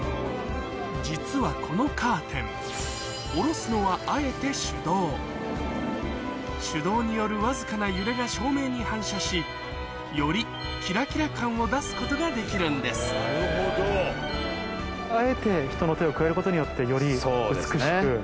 実はこのカーテン下ろすのはあえて手動手動によるわずかな揺れが照明に反射しよりキラキラ感を出すことができるんですあえて人の手を加えることによってより美しく。